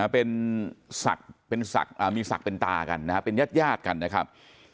เป็นสักเป็นตากันนะเป็นญาติญาติกันนะครับ